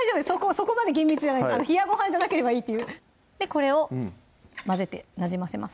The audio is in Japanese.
そこまで厳密じゃない冷やご飯じゃなければいいというこれを混ぜてなじませます